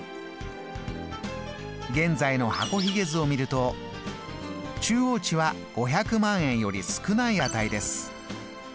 現在の箱ひげ図を見ると中央値は５００万円より少ない値です。